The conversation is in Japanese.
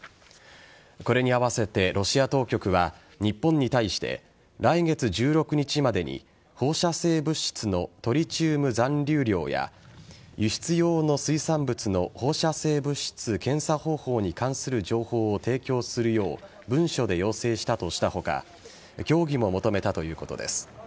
これに合わせてロシア当局は日本に対して、来月１６日までに放射性物質のトリチウム残留量や輸出用の水産物の放射性物質検査方法に関する情報を提供するよう文書で要請したとした他協議も求めたということです。